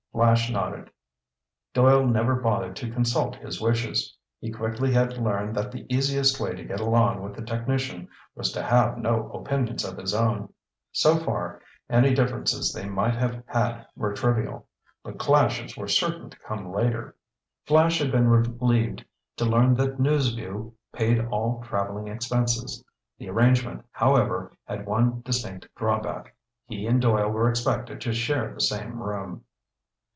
Flash nodded. Doyle never bothered to consult his wishes. He quickly had learned that the easiest way to get along with the technician was to have no opinions of his own. So far any differences they might have had were trivial. But clashes were certain to come later. Flash had been relieved to learn that News Vue paid all traveling expenses. The arrangement, however, had one distinct drawback. He and Doyle were expected to share the same room.